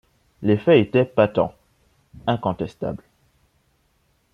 Les faits étaient patents, incontestables.